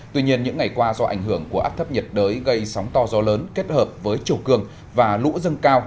tuy nhiên những ngày qua do ảnh hưởng của áp thấp nhiệt đới gây sóng to gió lớn kết hợp với chiều cường và lũ dâng cao